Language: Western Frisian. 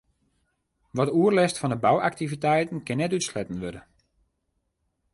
Wat oerlêst fan 'e bouaktiviteiten kin net útsletten wurde.